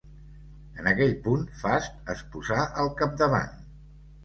En aquell punt Fast es posà al capdavant.